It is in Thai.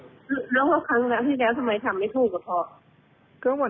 แล้วพอครั้งที่แล้วทำไมทำไม่ถูกอะพ่อ